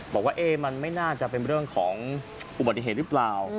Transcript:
บอกว่ามันไม่น่าจะเป็นเรื่องของอุบัติเหตุหรือเปล่า